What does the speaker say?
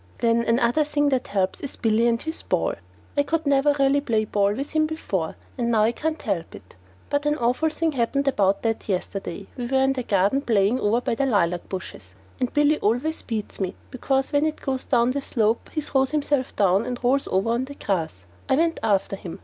Then another thing that helps is Billy and his ball. I never could really play with him before, but now I can't help it. But an awful thing happened about that yesterday. We were in the garden playing over by the lilac bushes, and Billy always beats me because when it goes down the slope he throws himself down and rolls over on the grass. I went after him.